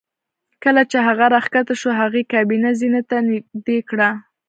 کله چې هغه راښکته شو هغې کابینه زینې ته نږدې کړه